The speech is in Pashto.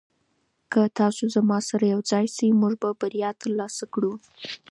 که تاسي زما سره یوځای شئ موږ به بریا ترلاسه کړو.